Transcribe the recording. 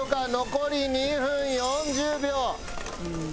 残り２分４０秒。